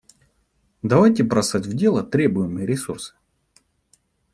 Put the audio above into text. Давайте бросать в дело требуемые ресурсы.